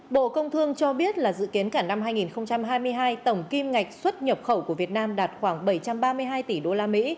bộ công thương cho biết là dự kiến cả năm hai nghìn hai mươi hai tổng kim ngạch xuất nhập khẩu của việt nam đạt khoảng bảy trăm ba mươi hai tỷ đô la mỹ